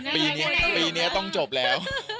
ปีนี้ก็ต้องจบแล้ว